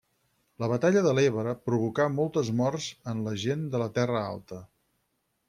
La Batalla de l'Ebre provocà moltes morts en la gent de la Terra Alta.